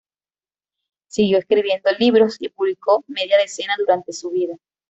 Siguió escribiendo libros y publicó media decena durante su vida.